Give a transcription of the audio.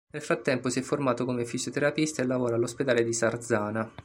Nel frattempo si è formato come fisioterapista e lavora all'ospedale di Sarzana.